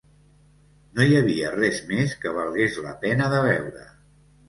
No hi havia res més que valgués la pena de veure.